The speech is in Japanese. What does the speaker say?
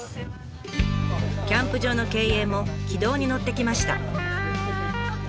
キャンプ場の経営も軌道に乗ってきました。